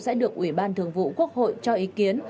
sẽ được ủy ban thường vụ quốc hội cho ý kiến